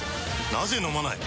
なぜ飲まない？